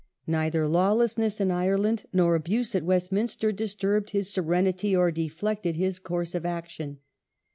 Neither lawlessness in Ireland nor abuse at Westminster disturbed his serenity or deflected his course of action.